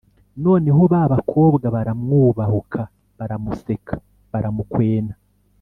noneho ba bakobwa baramwubahuka baramuseka baramukwena